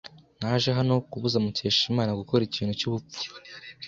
Naje hano kubuza Mukeshimana gukora ikintu cyubupfu.